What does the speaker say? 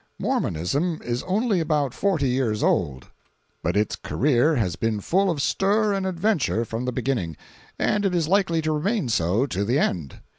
Mormonism is only about forty years old, but its career has been full of stir and adventure from the beginning, and is likely to remain so to the end.